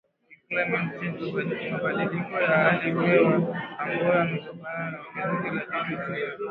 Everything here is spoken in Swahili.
hii climate change mabadiliko ya hali hewa ambayo yametokana na ongezeko la joto duniani